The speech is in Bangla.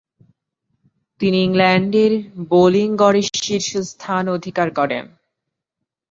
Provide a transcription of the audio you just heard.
তিনি ইংল্যান্ডের বোলিং গড়ে শীর্ষস্থান অধিকার করেন।